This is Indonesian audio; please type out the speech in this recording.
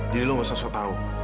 jadi lo nggak usah sotau